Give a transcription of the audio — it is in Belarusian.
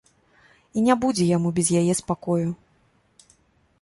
І не будзе яму без яе спакою!